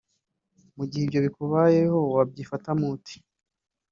Mu gihe ibyo bikubayeho wabyifatamo ute